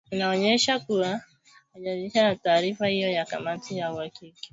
inaonyesha kuwa Uganda haijaridhishwa na taarifa hiyo ya kamati ya uhakiki